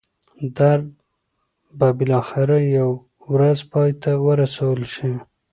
درد به بالاخره یوه ورځ پای ته ورسول شي.